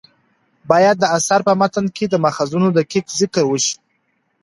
باید د اثر په متن کې د ماخذونو دقیق ذکر وشي.